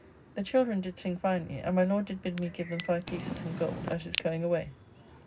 The children did sing finely, and my Lord did bid me give them five pieces in gold at his going away.